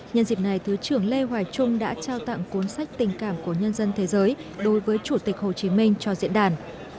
nhân dịp này thứ trưởng lê hoài trung đã trao tặng cuốn sách tình cảm của nhân dân thế giới đối với chủ tịch hồ chí minh cho diễn đàn